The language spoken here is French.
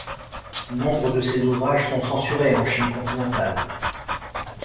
Nombre de ses ouvrages sont censurés en Chine continentale.